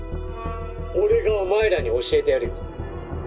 俺がお前らに教えてやるよ。